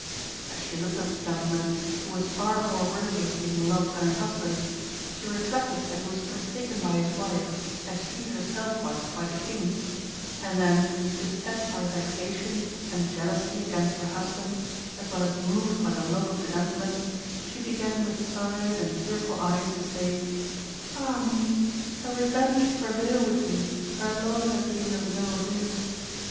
As she looked at the gentleman, who was far more worthy of being loved than her husband, she reflected that he was forsaken by his wife, as she herself was by the King; and then, beset by vexation and jealousy against her husband, as well as moved by the love of the gentleman, she began with sighs and tearful eyes to say "Ah me! shall revenge prevail with me where love has been of no avail?"